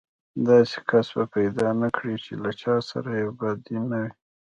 داسې کس به پيدا نه کړې چې له چا سره يې بدي نه وي.